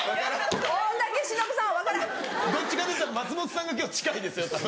どっちかっていったら松本さんが今日近いですよ。